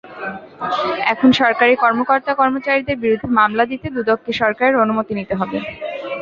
এখন সরকারি কর্মকর্তা-কর্মচারীদের বিরুদ্ধে মামলা দিতে দুদককে সরকারের অনুমতি নিতে হবে।